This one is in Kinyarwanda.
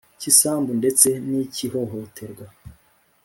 Cy isambu ndetse n icy ihohoterwa